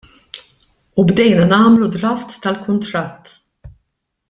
U bdejna nagħmlu draft tal-kuntratt.